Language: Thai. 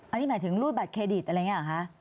อันนี้หมายถึงรูดบัตรเครดิตอะไรอย่างนี้หรอคะ